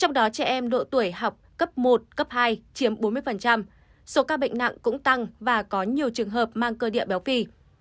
trong đó trẻ em độ tuổi học cấp một cấp hai chiếm bốn mươi số ca bệnh nặng cũng tăng và có nhiều trường hợp mang cơ địa béo phì